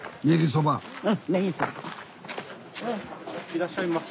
いらっしゃいませ。